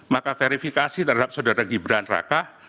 maka verifikasi terhadap saudara gibran raka